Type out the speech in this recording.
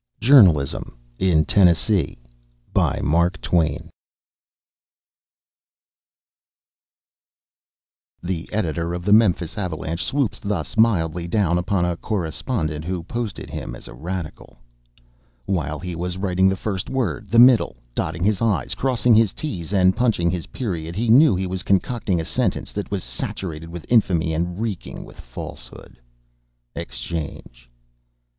JOURNALISM IN TENNESSEE [Written about 1871.] The editor of the Memphis Avalanche swoops thus mildly down upon a correspondent who posted him as a Radical: "While he was writing the first word, the middle, dotting his i's, crossing his t's, and punching his period, he knew he was concocting a sentence that was saturated with infamy and reeking with falsehood." Exchange.